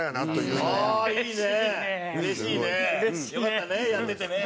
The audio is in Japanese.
うれしいね。